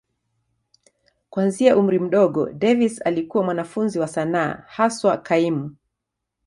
Kuanzia umri mdogo, Davis alikuwa mwanafunzi wa sanaa, haswa kaimu.